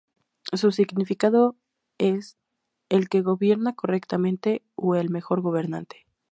Su significado es "el que gobierna correctamente" o "el mejor gobernante".